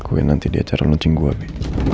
kalau lakuin nanti di acara lonceng gua bi